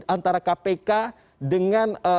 antara kpk dengan